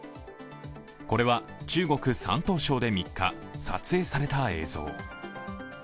これは、中国・山東省で３日、撮影された影像。